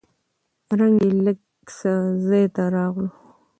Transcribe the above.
رنګ يې لېږ څه ځاى ته راغلو.